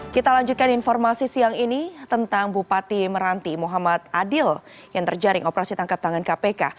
kita lanjutkan informasi siang ini tentang bupati meranti muhammad adil yang terjaring operasi tangkap tangan kpk